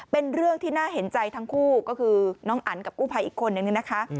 เป็นเรื่องที่น่าเห็นใจทั้งคู่ก็คือน้องอันกับกู้ภัยอีกคนนึงนะคะ